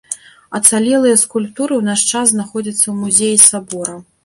Ацалелыя скульптуры ў наш час знаходзяцца ў музеі сабора.